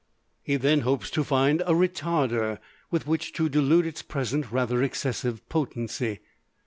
He then hopes to find a Retarder with which to dilute its present rather excessive potency.